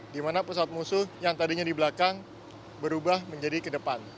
di mana pesawat musuh yang tadinya di belakang berubah menjadi ke depan